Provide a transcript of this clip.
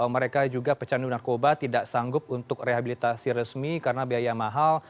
mereka juga pecandu narkoba tidak sanggup untuk rehabilitasi resmi karena biaya mahal